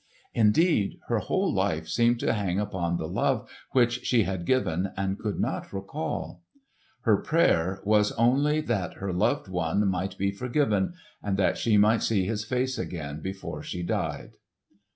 Indeed, her whole life seemed to hang upon the love which she had given and could not recall. Her prayer was only that her loved one might be forgiven, and that she might see his face again before she died.